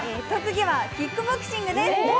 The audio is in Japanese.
特技はキックボクシングです。